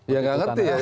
ya gak ngerti ya